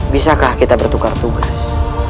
bisakah kita bertukar tugas